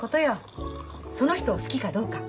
その人を好きかどうか。